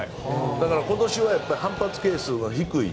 だから今年は反発係数が低い